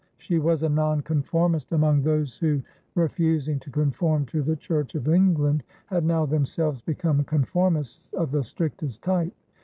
She was a nonconformist among those who, refusing to conform to the Church of England, had now themselves become conformists of the strictest type.